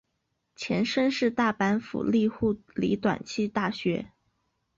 前身是大阪府立护理短期大学。